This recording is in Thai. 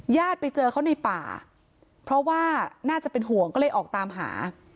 ไปเจอเขาในป่าเพราะว่าน่าจะเป็นห่วงก็เลยออกตามหา